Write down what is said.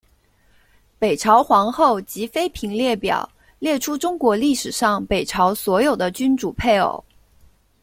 北朝皇后及妃嫔列表列出中国历史上北朝所有的君主配偶。